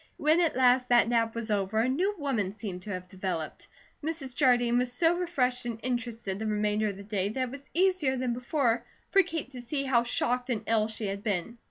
When at last that nap was over, a new woman seemed to have developed. Mrs. Jardine was so refreshed and interested the remainder of the day that it was easier than before for Kate to see how shocked and ill she had been.